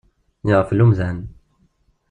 Yeɣfel umdan.